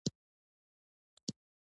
اصولي صیب زبردسته موټرچلونه کوله.